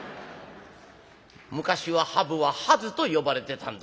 昔はハブは『ハズ』と呼ばれてたんだ」。